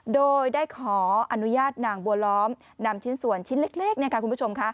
โดยได้ขออนุญาตนางบัวล้อมนำชิ้นส่วนชิ้นเล็กคุณผู้ชมค่ะ